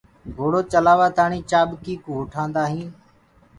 گھوڙو چلآوآ تآڻي چآڀڪي ڪو اُٺآندآ هينٚ